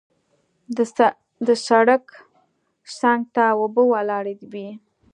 د سړک څنګ ته اوبه ولاړې وې.